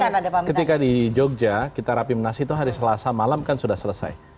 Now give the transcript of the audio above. karena memang ketika di jogja kita rapim nasi itu hari selasa malam kan sudah selesai